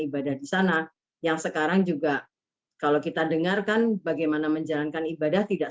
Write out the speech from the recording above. ibadah di sana yang sekarang juga kalau kita dengarkan bagaimana menjalankan ibadah tidak